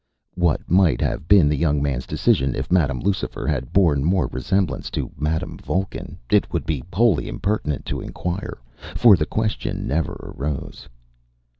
What might have been the young man’s decision if Madam Lucifer had borne more resemblance to Madam Vulcan, it would be wholly impertinent to inquire, for the question never arose.